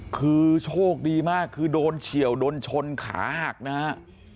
คือโชคดีมากคือโดนเฉียวโดนชนขาหักนะฮะ